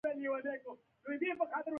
موږ ساده کلیوال به اریان دریان ورته ولاړ وو.